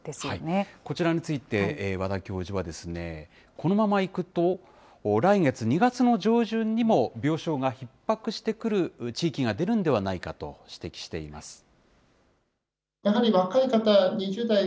こちらについて、和田教授は、このままいくと来月２月の上旬にも、病床がひっ迫してくる地域が出るんではないかと指摘しています。